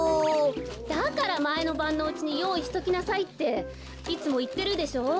だからまえのばんのうちによういしときなさいっていつもいってるでしょう？